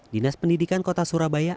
dinas pendidikan kota surabaya